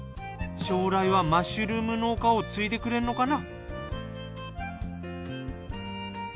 将来はマッシュルーム農家を継いでくれるのかな？